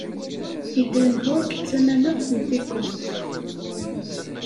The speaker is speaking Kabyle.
Edimburg d tamaneɣt n Tikust.